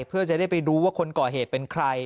เพื่อจะได้ไปดูว่าคนก่อเหตุเป็นใคร